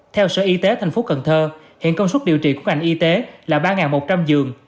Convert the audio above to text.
theo sở y tế thành phố cần thơ hiện công suất điều trị của ngành y tế là ba một trăm linh giường